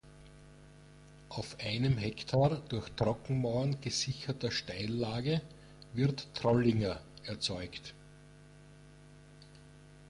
Auf einem Hektar durch Trockenmauern gesicherter Steillage wird Trollinger erzeugt.